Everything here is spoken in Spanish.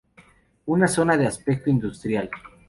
Una zona de aspecto industrial.